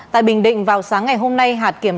tại bình định vào sáng ngày hôm nay